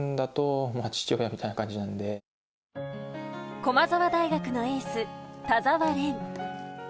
駒澤大学のエース・田澤廉。